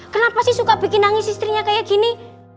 kenapa sih suka bikin nangis istrinya kayak gini